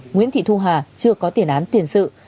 nguyễn thị thu hà chưa có tiền án tiền sự